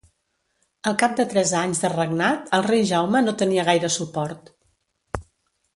Al cap de tres anys de regnat, el rei Jaume no tenia gaire suport.